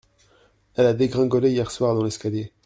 Elle a dégringolé hier soir dans l'escalier.